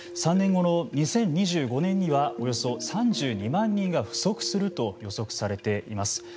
３年後の２０２５年にはおよそ３２万人が不足すると予測されています。